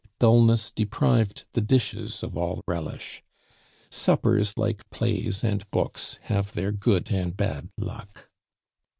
Dulness deprived the dishes of all relish. Suppers, like plays and books, have their good and bad luck.